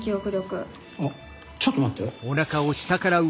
あっちょっと待って。